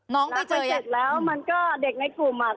เนาะรักไปเสร็จแล้วว่ามันก็